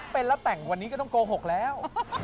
เป็นแล้วแต่งวันนี้ก็ต้องโกหกแล้ว